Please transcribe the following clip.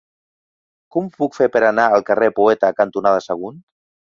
Com ho puc fer per anar al carrer Poeta cantonada Sagunt?